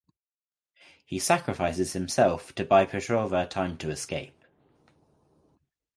He sacrifices himself to buy Petrova time to escape.